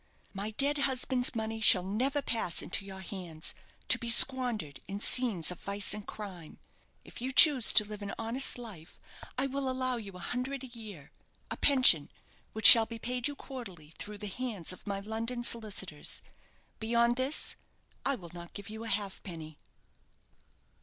My dead husband's money shall never pass into your hands, to be squandered in scenes of vice and crime. If you choose to live an honest life, I will allow you a hundred a year a pension which shall be paid you quarterly through the hands of my London solicitors. Beyond this, I will not give you a halfpenny."